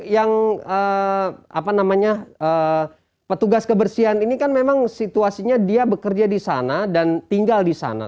yang apa namanya petugas kebersihan ini kan memang situasinya dia bekerja di sana dan tinggal di sana